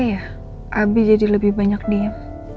ini kenapa ya abie jadi lebih banyak diem